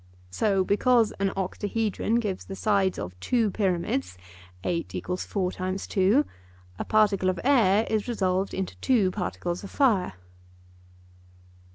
So because an octahedron gives the sides of two pyramids (8 = 4 x 2), a particle of air is resolved into two particles of fire.